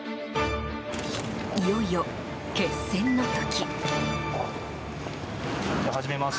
いよいよ、決戦の時。